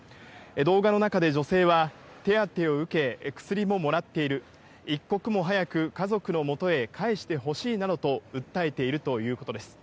動画の中で女性は、手当てを受け、薬ももらっている、一刻も早く家族のもとへ帰してほしいなどと訴えているということです。